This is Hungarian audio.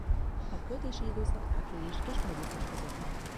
A költési időszak április és augusztus között van.